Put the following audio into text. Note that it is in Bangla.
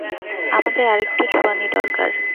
আমাদের আরেকটু চুয়ানি দরকার।